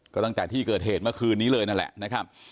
ก็ตั้งแต่ที่เกิดเหตุเมื่อคืนนี้เลยนั่นแหละนะครับ